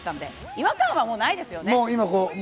違和感はないですよね。